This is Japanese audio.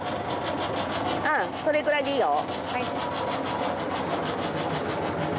うんそれぐらいでいいよ。